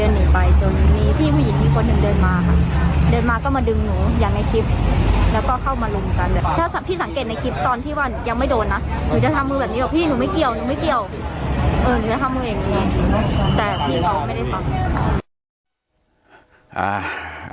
เออหนูจะทำมืออย่างนี้แต่พี่เขาไม่ได้ทำ